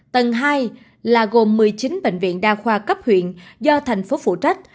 tầng hai là gồm một mươi chín bệnh viện đa khoa cấp huyện do thành phố phụ trách